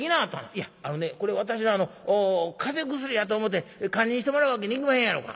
「いやあのねこれ私は風邪薬やと思って堪忍してもらうわけにいきまへんやろか？」。